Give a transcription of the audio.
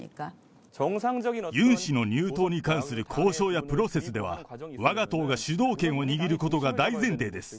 ユン氏の入党に関する交渉やプロセスでは、わが党が主導権を握ることが大前提です。